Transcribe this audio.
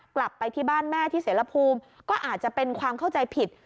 กลับไปที่บ้านแม่ที่เสรภูมิก็อาจจะเป็นความเข้าใจผิด